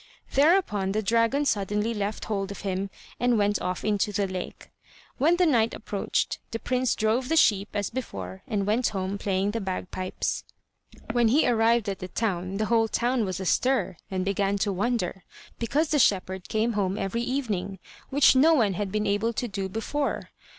Thereupon the dragon suddenly left hold of him, and went off into the lake. When night approached the prince drove the sheep as before, and went home playing the bagpipes When he arrived at the town, the whole town was astir and began to wonder because the shepherd came home every evening, which no one had been able to do before.